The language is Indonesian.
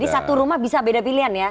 jadi satu rumah bisa beda pilihan ya